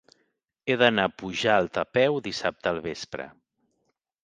He d'anar a Pujalt a peu dissabte al vespre.